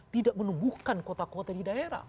tidak menumbuhkan kota kota di daerah